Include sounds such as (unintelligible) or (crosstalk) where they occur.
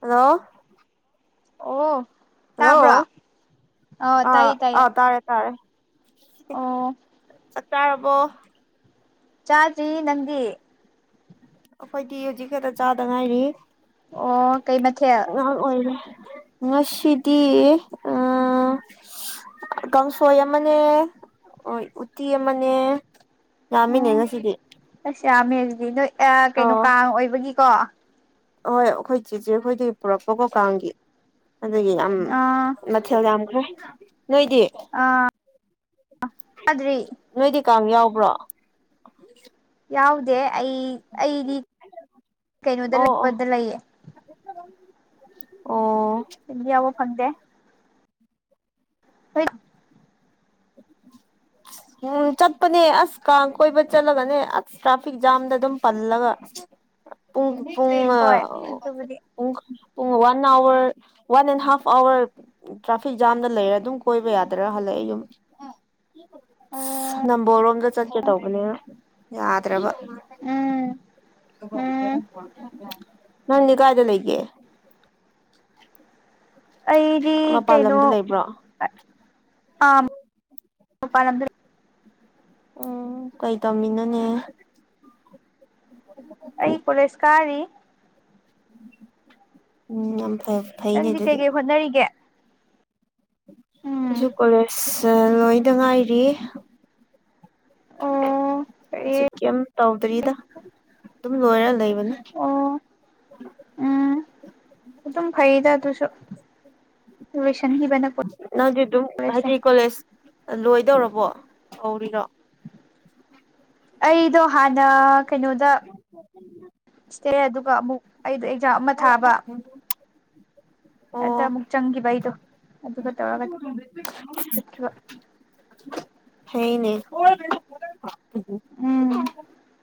hello ꯑꯣ hello ꯇꯥꯕ꯭ꯔꯣ ꯑꯣ ꯑꯥ ꯇꯥꯏꯌꯦ ꯑꯥ ꯇꯥꯏꯌꯦ ꯇꯥꯔꯦ ꯇꯥꯔꯦ ꯑꯣ ꯆꯥꯛ ꯆꯔꯕꯣ ꯆꯥꯗ꯭ꯔꯤ ꯅꯪꯗꯤ ꯑꯩꯈꯣꯏꯗꯤ ꯍꯧꯖꯤꯛ ꯈꯛꯇ ꯆꯥꯗ ꯉꯥꯏꯔꯤ ꯑꯣ ꯀꯩ ꯃꯊꯦꯜ ꯑꯉꯥꯡ ꯑꯣꯏꯔꯦ ꯉꯁꯤꯗꯤ ꯀꯥꯡꯁꯣꯏ ꯑꯃꯅꯦ ꯎꯇꯤ ꯑꯃꯅꯦ ꯌꯥꯝꯃꯤꯅꯦ ꯎꯝ ꯉꯁꯤꯗꯤ ꯑꯁ ꯌꯥꯝꯃꯦ ꯑꯗꯨꯗꯤ ꯅꯣꯏ ꯀꯩꯅꯣ ꯀꯥꯡ ꯑꯣꯏꯕꯒꯤꯀꯣ ꯑꯍꯣꯏ ꯑꯩꯈꯣꯏ ꯆꯦꯆꯦ ꯑꯩꯈꯣꯏꯗꯒꯤ ꯄꯨꯔꯛꯄꯀꯣ ꯀꯥꯡꯒꯤ ꯑꯗꯨꯒꯤ ꯌꯥꯝ ꯑꯥ ꯃꯊꯦꯜ ꯌꯥꯝꯈ꯭ꯔꯦ ꯅꯣꯏꯗꯤ ꯑꯥ (inaudible) ꯆꯥꯗ꯭ꯔꯤ ꯅꯣꯏꯗꯤ ꯀꯥꯡ ꯌꯥꯎꯕ꯭ꯔꯣ ꯌꯥꯎꯗꯦ ꯑꯩ ꯑꯩꯗꯤ ꯀꯩꯅꯣꯗ ꯑꯣ ꯂꯛꯄꯗ ꯂꯩꯌꯦ ꯑꯣ (unintelligible) ꯌꯥꯎꯕ ꯐꯪꯗꯦ ꯍꯣꯏꯠ (unintelligible) ꯎꯝ ꯆꯠꯄꯅꯦ ꯑꯁ ꯀꯥꯡ ꯀꯣꯏꯕ ꯆꯠꯂꯒꯅꯦ ꯑꯁ ꯇ꯭ꯔꯥꯐꯤꯛ ꯖꯥꯝꯗ ꯑꯗꯨꯝ ꯄꯜꯂꯒ (unintelligible) ꯄꯨꯡ ꯄꯨꯡ ꯑꯥ ꯍꯣꯏ (unintelligible) ꯑꯗꯨꯕꯨꯗꯤ ꯄꯨꯡ ꯄꯨꯡ one hour one and half hour traffic ꯖꯥꯝꯗ ꯂꯩꯔꯦ ꯑꯗꯨꯝ ꯀꯣꯏꯕ ꯌꯥꯗ꯭ꯔꯥ ꯍꯜꯂꯛꯑꯦ ꯌꯨꯝ ꯑꯁ ꯎꯝ ꯅꯝꯕꯣꯜꯔ‌ꯣꯝꯗ ꯆꯠꯀꯦ ꯇꯧꯕꯅꯦꯕ ꯌꯥꯗ꯭ꯔ‌ꯦꯕ ꯎꯝ ꯎꯝ ꯅꯪꯗꯤ ꯀꯥꯏꯗ ꯂꯩꯒ‌ꯦ ꯑꯩꯗꯤ ꯃꯄꯥꯟ ꯀꯩꯅꯣ ꯂꯝꯗ ꯂꯩꯕ꯭ꯔꯣ ꯑ (inaudible) ꯃꯄꯥꯟꯂꯝꯗ ꯎꯝ ꯀꯩ ꯇꯝꯃꯤꯅꯣꯅꯦ ꯑꯩ ꯀꯣꯂꯦꯁ ꯀꯥꯔꯤ ꯎꯝ ꯌꯥꯝ ꯐꯩꯞ ꯅꯪꯗꯤ ꯀꯩ ꯀꯩ ꯍꯣꯠꯅꯔꯤꯒꯦ ꯎꯝ ꯑꯩꯁꯨ ꯀꯣꯂꯦꯖ ꯑꯥ ꯂꯣꯏꯗ ꯉꯥꯏꯔꯤ ꯑꯣ ꯀꯔꯤ ꯍꯧꯖꯤꯛ ꯀꯩꯝ ꯇꯧꯗ꯭ꯔꯤꯗ ꯑꯗꯨꯝ ꯂꯣꯏꯔ ꯂꯩꯕꯅꯤ ꯑꯣ ꯎꯝ ꯎꯝ ꯑꯗꯨꯝ ꯐꯩꯗ ꯑꯗꯨꯁꯨ ꯂꯣꯏꯁꯤꯟꯈꯤꯕꯅ ꯅꯪꯗꯤ ꯑꯗꯨꯝ ꯀꯣꯂꯦꯖꯁꯦ ꯍꯥꯏꯗꯤ ꯀꯣꯂꯦꯖ ꯂꯣꯏꯗꯧꯔꯕꯣ ꯇꯧꯔꯤꯔꯣ ꯑꯩꯗꯣ ꯍꯥꯟꯅ ꯀꯩꯅꯣꯗ ꯏꯁꯇꯦ ꯑꯗꯨꯒ ꯑꯃꯨꯛ ꯑꯩꯗ‌ꯣ ꯑꯦꯛꯖꯥꯝ ꯑꯃ ꯊꯥꯕ ꯑꯣ ꯑꯗ ꯑꯃꯨꯛ ꯆꯪꯈꯤꯕ ꯑꯩꯗꯣ ꯑꯗꯨꯒ ꯇꯧꯔꯒ (inaudible) ꯆꯠꯈꯤꯕ ꯐꯩꯅ‌ꯦ ꯎꯝ